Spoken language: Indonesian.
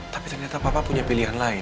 tapi ternyata papa punya pilihan lain